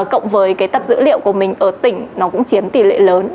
cộng với cái tập dữ liệu của mình ở tỉnh nó cũng chiếm tỷ lệ lớn